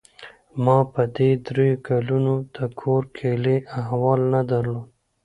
ما په دې درېو کلونو د کور کلي احوال نه درلود.